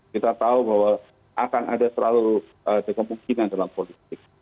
kita tahu bahwa akan ada selalu kemungkinan dalam politik